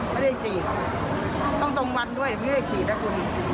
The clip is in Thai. ไม่ได้ฉีดต้องตรงวันด้วยไม่ได้ฉีดนะคุณ